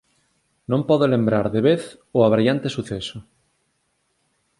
Non podo lembrar de vez o abraiante suceso.